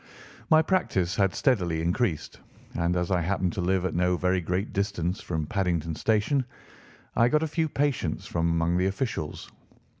My practice had steadily increased, and as I happened to live at no very great distance from Paddington Station, I got a few patients from among the officials.